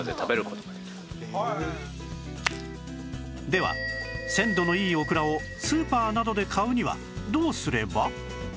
では鮮度のいいオクラをスーパーなどで買うにはどうすれば？